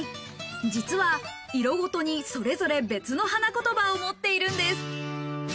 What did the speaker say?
実は色ごとにそれぞれ別の花言葉を持っているんです。